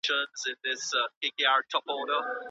علمي تحقیق په خپلواکه توګه نه اداره کیږي.